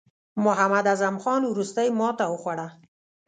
محمد اعظم خان وروستۍ ماته وخوړه.